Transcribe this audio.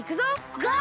ゴー！